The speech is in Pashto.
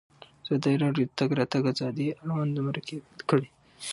ازادي راډیو د د تګ راتګ ازادي اړوند مرکې کړي.